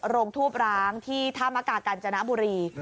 โรงทูบร้างที่ท่ามกากัญจนบุรี